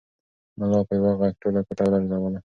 ملا په یوه غږ ټوله کوټه ولړزوله.